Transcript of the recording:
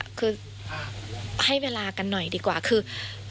คือให้เวลากันหน่อยดีกว่าคือ